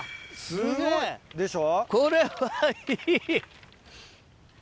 すごいでしょ。